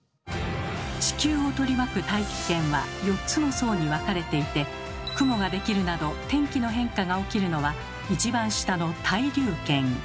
地球を取り巻く大気圏は４つの層に分かれていて雲ができるなど天気の変化が起きるのは一番下の対流圏。